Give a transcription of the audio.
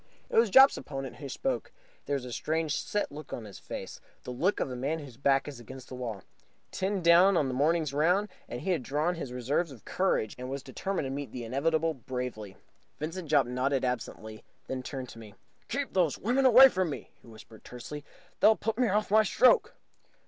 It was Jopp's opponent who spoke. There was a strange, set look on his face the look of a man whose back is against the wall. Ten down on the morning's round, he had drawn on his reserves of courage and was determined to meet the inevitable bravely. Vincent Jopp nodded absently, then turned to me. "Keep those women away from me," he whispered tensely. "They'll put me off my stroke!"